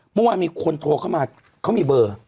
เมื่อวานมีคนโทรเข้ามาเขามีเบอร์